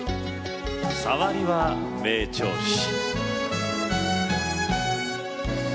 「さわりは名調子」。